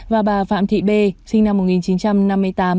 và bà phạm thị b sinh năm một nghìn chín trăm năm mươi tám